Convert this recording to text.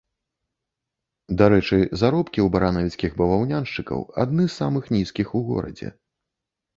Дарэчы, заробкі ў баранавіцкіх баваўняншчыкаў адны з самых нізкіх у горадзе.